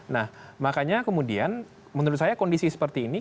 nah makanya kemudian menurut saya kondisi seperti ini